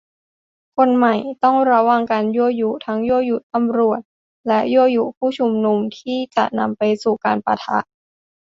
คนใหม่ ต้องระวังการยั่วยุ ทั้งยั่วยุตำรวจ และยั่วยุผู้ชุมนุม ที่จะนำไปสู่การปะทะ